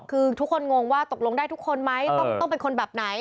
คือทุกคนงงว่าตกลงได้ทุกคนไหมต้องเป็นคนแบบไหน